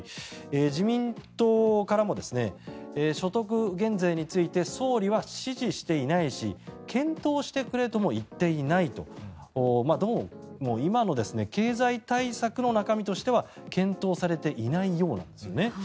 自民党からも所得減税について総理は指示していないし検討してくれとも言っていないとどうも今の経済対策の中身としては検討されていないようなんですよね。